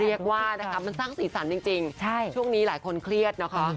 เรียกว่านะคะมันสร้างสีสันจริงช่วงนี้หลายคนเครียดนะคะ